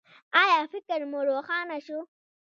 ایا فکر مو روښانه شو؟